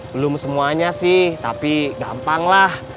belum semuanya sih tapi gampanglah